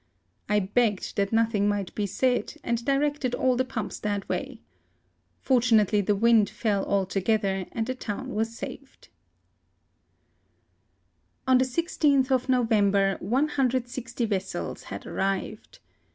I begged that nothing might be said, and directed all the pumps that way. Fortunately the wind fell altogether, and the town was saved. On the 16th of November, 160 vessels had arrived.